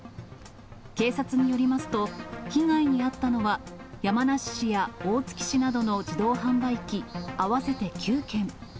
警察によりますと、被害に遭ったのは、山梨市や大月市などの自動販売機、合わせて９件。